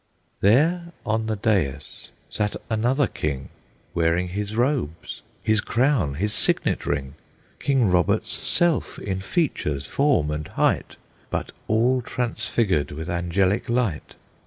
There on the dais sat another king, Wearing his robes, his crown, his signet ring, King Robert's self in features, form, and height, But all transfigured with angelic light!